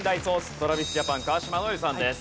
ＴｒａｖｉｓＪａｐａｎ川島如恵留さんです。